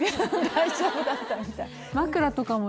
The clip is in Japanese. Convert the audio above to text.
大丈夫だったみたい